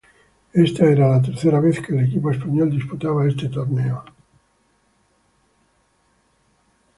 Esta era la tercera vez que el equipo español disputaba este torneo.